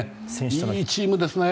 いいチームですね。